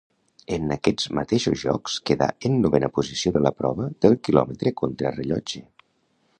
En aquests mateixos Jocs quedà en novena posició de la prova del quilòmetre contrarellotge.